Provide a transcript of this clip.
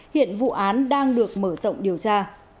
hiện vụ án đang được mở rộng điều tra